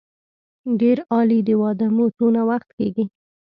ډېر عالي د واده مو څونه وخت کېږي.